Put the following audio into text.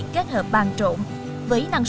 kết hợp bàn trộn